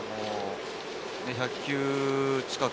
１００球近く。